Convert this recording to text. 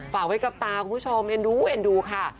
ฝากไว้กับตาคุณผู้ชมเอ็นดูเอ็นดูค่ะ